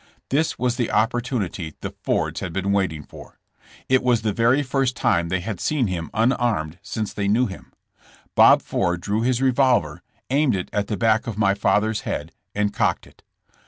This was the opportunity the Fords had been wait ing for. It was the very first time they had seen him unarmed since they knew him. Bob Ford drew his revolver, aim'ed it at the back of my father's head and cocked it.